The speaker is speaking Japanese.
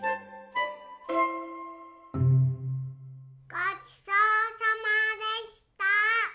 ごちそうさまでした！